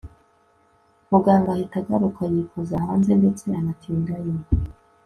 muganga ahita ahaguruka yikoza hanze ndetse anatindayo